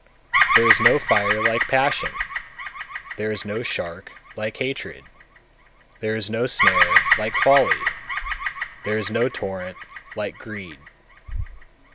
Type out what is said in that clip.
251. There is no fire like passion, there is no shark like hatred, there is no snare like folly, there is no torrent like greed.